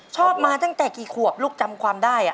มาตั้งแต่กี่ขวบลูกจำความได้